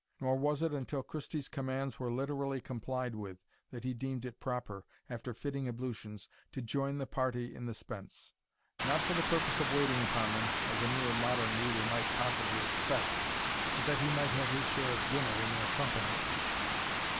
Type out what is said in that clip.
Nor was it until Christie's commands were literally complied with that he deemed it proper, after fitting ablutions, to join the party in the spence; not for the purpose of waiting upon them, as a mere modern reader might possibly expect, but that he might have his share of dinner in their company.